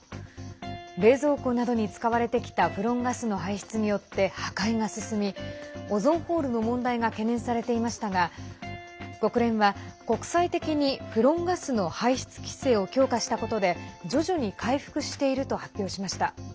冷蔵庫などに使われてきたフロンガスの排出によって破壊が進みオゾンホールの問題が懸念されていましたが国連は国際的にフロンガスの排出規制を強化したことで徐々に回復していると発表しました。